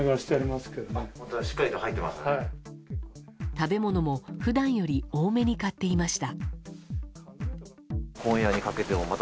食べ物も普段より多めに買っていました。